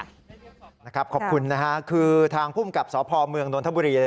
นะครับขอบคุณนะคะคือทางพุ่มกับสพเมืองนนทบุรี